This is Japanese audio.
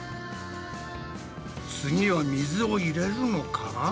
次は水を入れるのか？